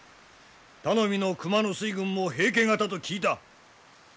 頼みの熊野水軍も平家方と聞いた。